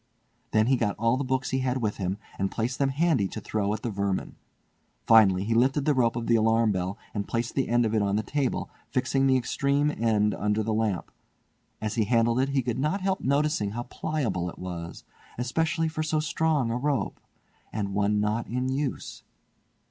Then he got all the books he had with him, and placed them handy to throw at the vermin. Finally he lifted the rope of the alarm bell and placed the end of it on the table, fixing the extreme end under the lamp. As he handled it he could not help noticing how pliable it was, especially for so strong a rope, and one not in use.